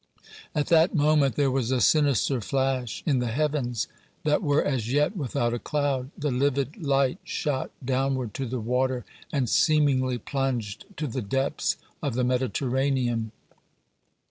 At that moment there was a sinister flash in the heavens, that were as yet without a cloud. The livid light shot downward to the water and seemingly plunged to the depths of the Mediterranean.